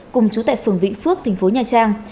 cùng chú tệ phường vĩnh phước tp nha trang